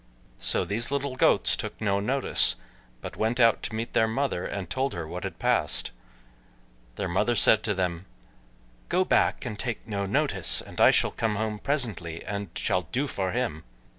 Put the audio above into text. So these little goats took no notice, but went out to meet their mother, and told her what had passed. Their mother said to them, "Go back, take no notice, and I shall come home presently, and shall do for him."